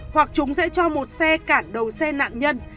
hoặc chúng sẽ cho một xe cản đầu xe nạn nhân